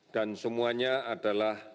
dan semuanya adalah